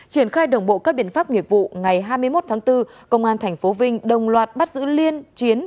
triển khai đồng bộ các biện pháp nghiệp vụ ngày hai mươi một tháng bốn công an tp vinh đồng loạt bắt giữ liên chiến